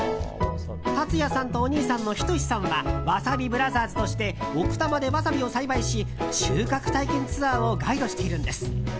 竜也さんとお兄さんの仁さんはわさびブラザーズとして奥多摩でワサビを栽培し収穫体験ツアーをガイドしているんです。